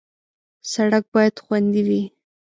سړک باید خوندي وي.